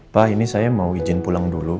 pak ini saya mau izin pulang dulu